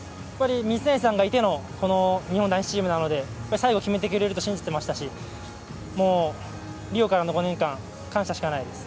水谷さんがいての男子チームなので最後決めてくれると信じていましたしリオからの５年間感謝しかないです。